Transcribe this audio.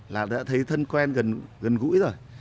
là đã thấy thân quen gần gũi rồi